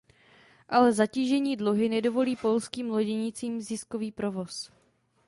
Ale zatížení dluhy nedovolí polským loděnicím ziskový provoz.